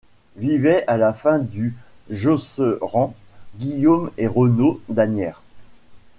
Vivait à la fin du Jocerand, Guillaume et Renaud d'Asnières.